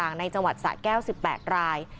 ในจังหวัดสะแก้ว๑๘ราย